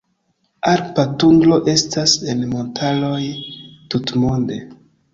Alpa tundro estas en montaroj tutmonde.